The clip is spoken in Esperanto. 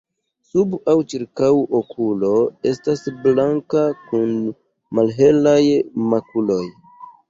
Sub aŭ ĉirkaŭ okulo estas blanka kun malhelaj makuloj.